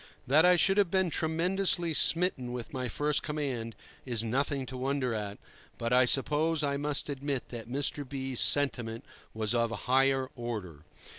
That I should have been tremendously smitten with my first command is nothing to wonder at, but I suppose I must admit that Mr. B—'s sentiment was of a higher order.